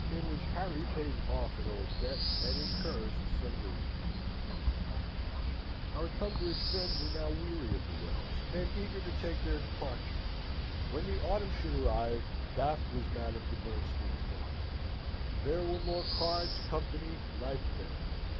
In which Harry pays off an Old Debt, and incurs some New Ones Our Tunbridge friends were now weary of the Wells, and eager to take their departure. When the autumn should arrive, Bath was Madame de Bernstein's mark. There were more cards, company, life, there.